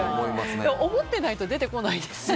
でも思ってないと出てこないですよね。